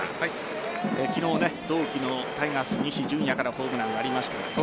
昨日、同期のタイガース西純矢からホームランがありました。